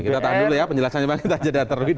kita tahan dulu ya penjelasannya